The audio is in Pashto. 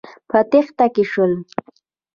په تېښته کې شول.